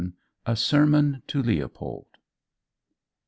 A SERMON TO LEOPOLD.